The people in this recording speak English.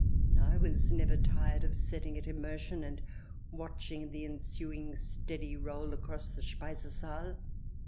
I was never tired of setting it in motion and watching the ensuing steady roll across the Speisesaal.